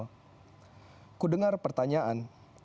aku mendengar pertanyaan